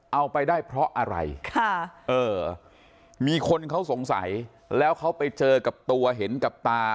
เอาไปได้เพราะอะไรมีคนเขาสงสัยแล้วเขาไปเจอกับตัวเห็นกับตา